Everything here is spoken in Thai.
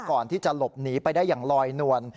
ก่อนที่จะหลบหนีไปได้อย่างลอยนวล